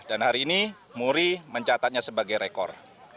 dan hari ini muri mencatatnya sebagai rekor